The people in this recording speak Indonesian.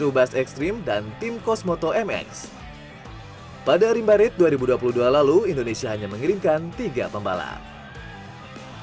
rubas extreme dan tim kosmoto mx pada rimbarit dua ribu dua puluh dua lalu indonesia hanya mengirimkan tiga pembalap